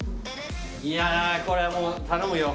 いやあこれはもう頼むよ